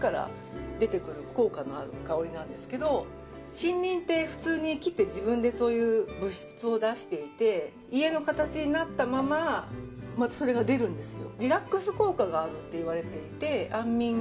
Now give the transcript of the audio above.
森林って普通に木ってそういう物質を出していて家の形になったままそれがまた出るんですよ。